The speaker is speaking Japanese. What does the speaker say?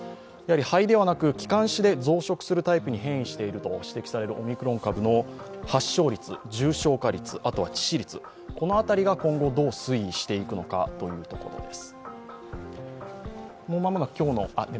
肺ではなく気管支で増殖するタイプに変異すると指摘されているオミクロン株の発症率、重症化率、致死率、この辺りが今後、どう推移していくのかというところです。